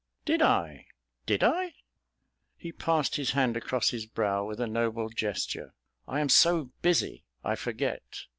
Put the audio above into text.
"Did I, did I?" He passed his hand across his brow with a noble gesture. "I am so busy I forget.